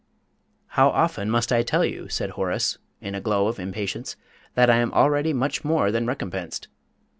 "How often must I tell you," said Horace, in a glow of impatience, "that I am already much more than recompensed?